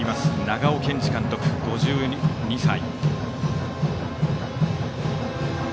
長尾健司監督、５２歳。